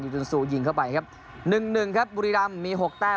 จุนซูยิงเข้าไปครับหนึ่งหนึ่งครับบุรีรำมีหกแต้ม